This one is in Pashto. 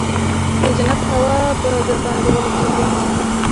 د جنت هوا به درباندې ولګېګي.